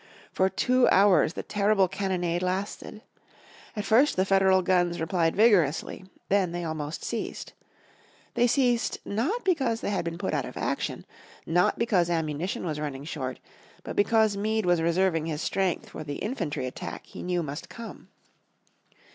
For two hours the terrible cannonade lasted. At first the Federal guns replied vigorously, then they almost ceased. They ceased, not because they had been put out of action, not because ammunition was running short, but because Meade was reserving his strength for the infantry attack he knew must come.